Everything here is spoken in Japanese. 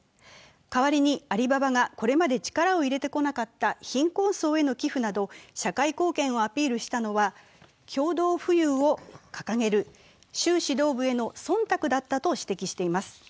代わりにアリババがこれまで力を入れてこなかった貧困層への寄付など社会貢献をアピールしたのは、共同富裕を掲げる習指導部への忖度だったと指摘しています。